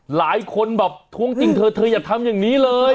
หลายคนแบบท้วงจริงเธอเธออย่าทำอย่างนี้เลย